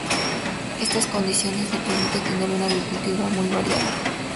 Estas condiciones le permite tener una agricultura muy variada.